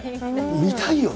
見たいよね。